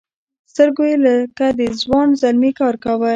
سترګو یې لکه د ځوان زلمي کار کاوه.